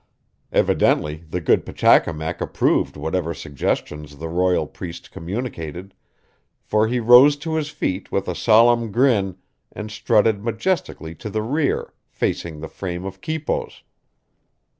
Evidently the good Pachacamac approved whatever suggestions the royal priest communicated, for he rose to his feet with a solemn grin and strutted majestically to the rear, facing the frame of quipos.